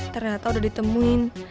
ternyata udah ditemuin